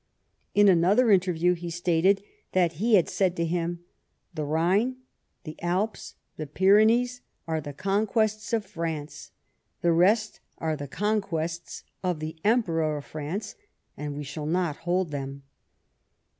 In another interview he stated that he had said to him r " The Ehine, the Alps, the Pyrenees, are the conquests of France. The rest are the conquests of the Emperor of France, and we shall not hold them."